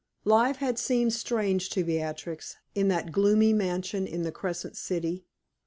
Life had seemed strange to Beatrix in that gloomy mansion in the Crescent City.